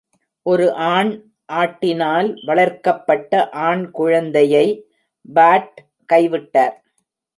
ஒரு ஆண் ஆட்டினால் வளர்க்கப்பட்ட ஆண் குழந்தையை பாட் கைவிட்டார்.